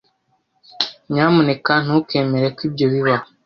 Nyamuneka ntukemere ko ibyo bibaho .